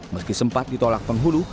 meski sempat ditolak penghulu